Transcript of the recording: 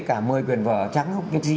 cả một mươi quyển vở trắng không biết gì